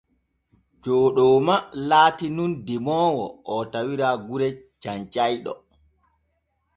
Jooɗooma laati nun demoowo oo tawira gure Cancayɗo.